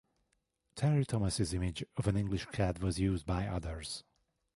Terry-Thomas's image of an English cad was used by others.